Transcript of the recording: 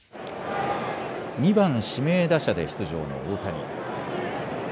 ２番・指名打者で出場の大谷。